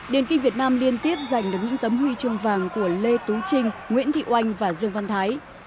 điền kinh việt nam liên tiếp giành được những tấm huy chương vàng của lê tú trinh nguyễn thị oanh và dương văn thái